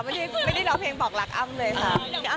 ไม่ได้ร้องเพลงบอกรักอ้ำเลยค่ะ